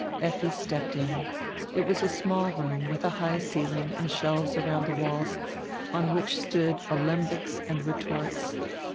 Lffi stepped in. It was a small roonr with a high ceiling and shelves around tire walls, on which stood alembics and retorts.